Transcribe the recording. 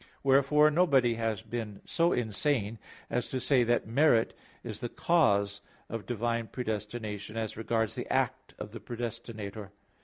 Wherefore nobody has been so insane as to say that merit is the cause of divine predestination as regards the act of the predestinator.